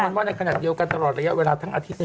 มันว่าในขณะเดียวกันตลอดระยะเวลาทั้งอาทิตย์